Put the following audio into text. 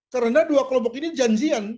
karena dua kelompok ini janjian